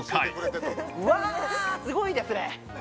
すごいですね！